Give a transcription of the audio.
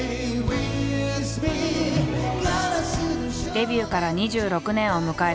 デビューから２６年を迎えた